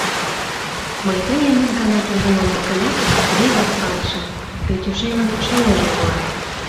— Мый тыйым ик ганат ужын омыл гынат, вигак палышым: Петюшемын шольыжо улат.